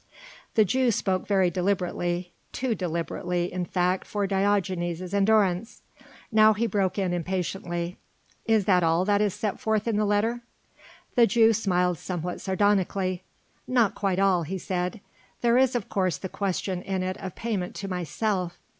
The Jew spoke very deliberately too deliberately, in fact, for Diogenes' endurance. Now he broke in impatiently. "Is that all that is set forth in the letter?" The Jew smiled somewhat sardonically. "Not quite all," he said, "there is, of course, question in it of payment to myself."